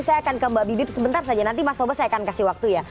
saya akan ke mbak bibip sebentar saja nanti mas toba saya akan kasih waktu ya